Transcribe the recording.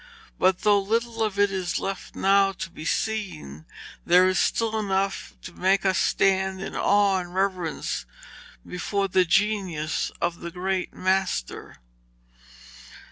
But though little of it is left now to be seen, there is still enough to make us stand in awe and reverence before the genius of the great master.